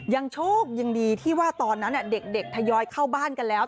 ยังโชคยังดีที่ว่าตอนนั้นเด็กทยอยเข้าบ้านกันแล้ว